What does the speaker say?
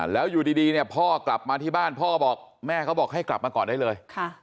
แล้วอยู่ดีเนี่ยพ่อกลับมาที่บ้านพ่อบอกแม่เขาบอกให้กลับมาก่อนได้เลย